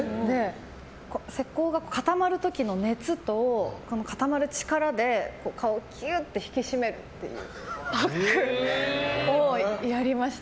石膏が固まる時の熱と固まる力で顔をギュッと引き締めるっていうパックをやりました。